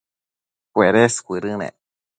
cuedes cuëdënec